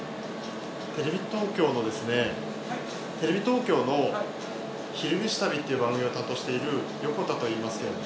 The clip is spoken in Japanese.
テレビ東京のですねテレビ東京の「昼めし旅」っていう番組を担当している横田といいますけれども。